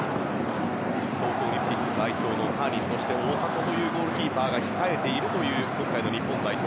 東京オリンピック代表の谷、大迫というゴールキーパーが控えているという今回の日本代表。